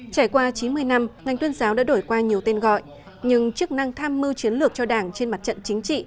trải qua chín mươi năm ngành tuyên giáo đã đổi qua nhiều tên gọi nhưng chức năng tham mưu chiến lược cho đảng trên mặt trận chính trị